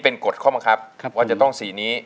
นะฮะทวนหมดคว้ำอ่ะครับว่าจะต้องสีนี้